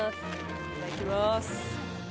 いただきます